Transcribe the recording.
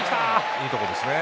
いいとこですね。